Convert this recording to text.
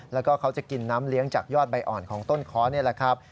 แล้วก็เขาจะกินน้ำเลี้ยงจากยอดใบอ่อนของต้นค้อนี่แหละครับ